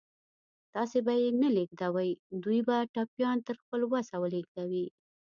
تاسې به یې نه لېږدوئ، دوی به ټپيان تر خپل وسه ولېږدوي.